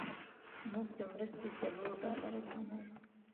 موږ د مرستې څلور ډالره کموو.